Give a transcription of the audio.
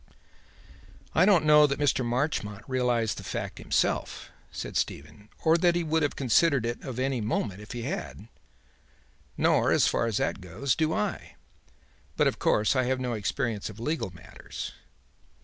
"I don't know that Mr. Marchmont realized the fact himself," said Stephen; "or that he would have considered it of any moment if he had. Nor, as far as that goes, do I. But, of course, I have no experience of legal matters."